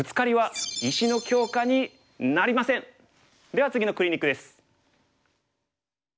では次のクリニックです。